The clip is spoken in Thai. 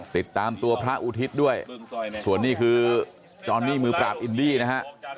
ติดตามตัวพระอุทิศด้วยส่วนนี้คือจอนนี่มือปราบอินดี้นะฮะ